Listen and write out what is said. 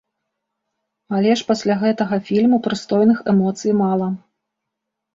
Але ж пасля гэтага фільму прыстойных эмоцый мала.